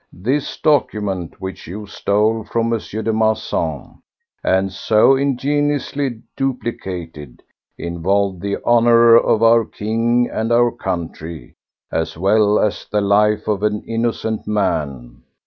This document, which you stole from M. de Marsan and so ingeniously duplicated, involved the honour of our King and our country, as well as the life of an innocent man.